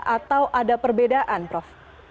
atau ada perbedaan prof